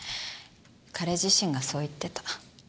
彼自身がそう言ってた。